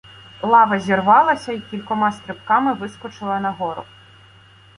Лава зірвалася й кількома стрибками вискочила нагору.